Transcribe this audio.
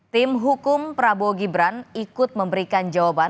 tim hukum prabowo gibran ikut memberikan jawaban